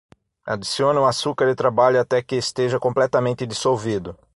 Adicione o açúcar e trabalhe até que esteja completamente dissolvido.